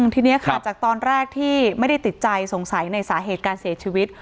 ทีนี้ค่ะจากตอนแรกที่ไม่ได้ติดใจสงสัยในสาเหตุการเสียชีวิต